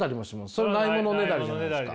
それ無いものねだりじゃないですか。